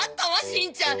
しんちゃん。